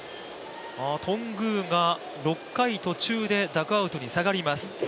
頓宮が６回途中でダグアウトに下がります。